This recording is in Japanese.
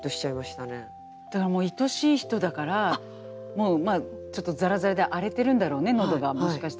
だからもういとしい人だからちょっとざらざらで荒れてるんだろうね喉がもしかしたら。